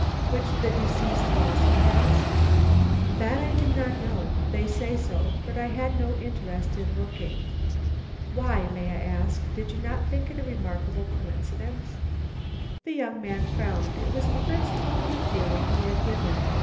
"Which the deceased also has?" "That I do not know. They say so, but I had no interest in looking." "Why, may I ask? Did you not think it a remarkable coincidence?" The young man frowned. It was the first token of feeling he had given.